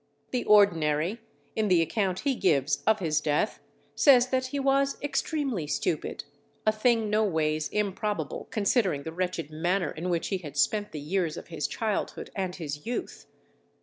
The Ordinary, in the account he gives of his death, says that he was extremely stupid, a thing no ways improbable considering the wretched manner in which he had spent the years of his childhood and his youth.